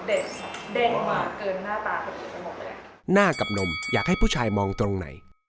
ดดเด่นเด่นมาเกินหน้าตาขึ้นไปหมดเลย